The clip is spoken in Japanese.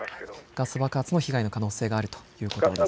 ガス爆発の被害の可能性があるということですね。